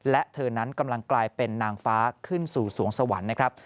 และเธอนั้นกำลังกลายเป็นนางฟ้าขึ้นสู่สวงสวรรค์นะครับ